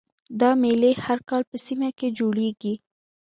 دا میلې هر کال په سیمه کې جوړیږي